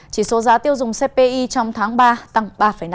chỉ số giá tiêu dùng cpi trong tháng ba tăng ba năm